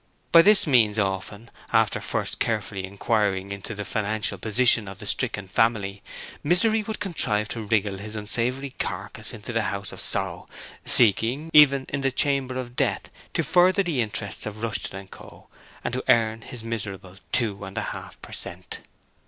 By these means often after first carefully inquiring into the financial position of the stricken family Misery would contrive to wriggle his unsavoury carcass into the house of sorrow, seeking, even in the chamber of death, to further the interests of Rushton & Co. and to earn his miserable two and a half per cent.